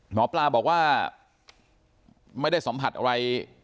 หมอปลาบอกว่าไม่ได้สัมผัสอะไร